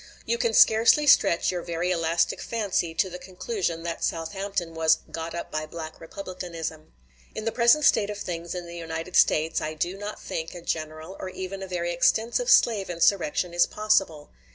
You can scarcely stretch your very elastic fancy to the conclusion that Southampton was "got up by Black Republicanism." In the present state of things in the United States, I do not think a general or even a very extensive slave insurrection is possible.